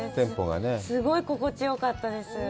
すごい心地よかったです。